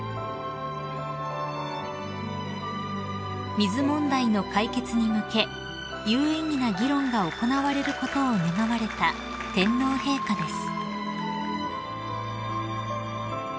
［水問題の解決に向け有意義な議論が行われることを願われた天皇陛下です］